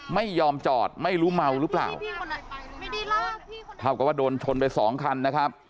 ไม่ยอมจอดไม่รู้เมาหรือเปล่าเท่ากับว่าโดนชนไปสองคันนะครับ